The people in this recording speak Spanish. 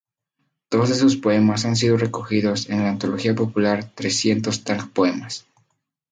Dos de sus poemas han sido recogidos en la antología popular "Trescientos Tang Poemas.